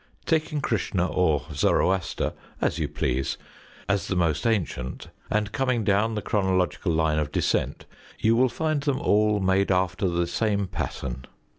Taking Kr╠Żs╠Żhn╠Ża or Zoroaster, as you please, as the most ancient, and coming down the chronological line of descent, you will find them all made after the same pattern.